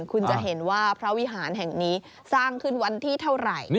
คุณจะเห็นว่าพระวิหารแห่งนี้สร้างขึ้นวันที่เท่าไหร่